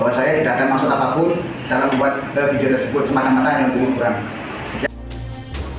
bahwa saya tidak ada maksud apapun dalam membuat video tersebut semata mata yang berukuran